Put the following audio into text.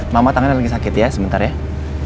mama tangannya lagi sakit ya sebentar ya